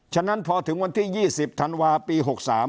ฉะนั้นพอถึงวันที่๒๐ธันวาปี๖๓